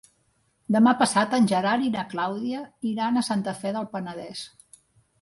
Demà passat en Gerard i na Clàudia iran a Santa Fe del Penedès.